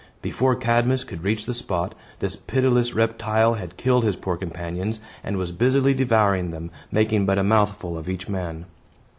Before Cadmus could reach the spot, this pitiless reptile had killed his poor companions, and was busily devouring them, making but a mouthful of each man.